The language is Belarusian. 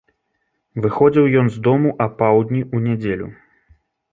Выходзіў ён з дому апаўдні ў нядзелю.